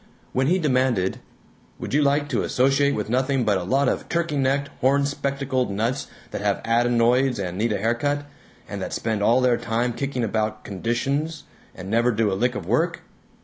When he demanded, "Would you like to associate with nothing but a lot of turkey necked, horn spectacled nuts that have adenoids and need a hair cut, and that spend all their time kicking about 'conditions' and never do a lick of work?"